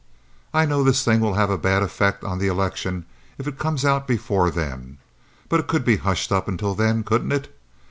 I know this thing will have a bad effect on the election, if it comes out before then; but it could be hushed up until then, couldn't it?